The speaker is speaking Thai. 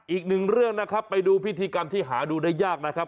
อีกหนึ่งเรื่องนะครับไปดูพิธีกรรมที่หาดูได้ยากนะครับ